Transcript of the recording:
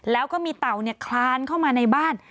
แล้วก็มีเต่าคลานเข้ามาในบ้าน